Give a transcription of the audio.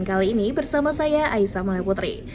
kali ini bersama saya aisyah maleputri